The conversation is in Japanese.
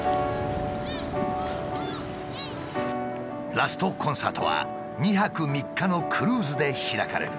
ラストコンサートは２泊３日のクルーズで開かれる。